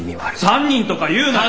３人とか言うなよ！